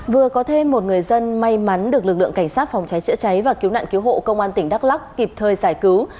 vừa có thêm một người dân may mắn được lực lượng cảnh sát phòng cháy chữa cháy và cứu nạn cứu hộ công an tỉnh đắk lắc kịp thời giải cứu